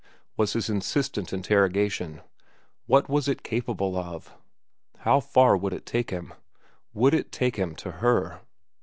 was his insistent interrogation. What was it capable of? How far would it take him? Would it take him to her?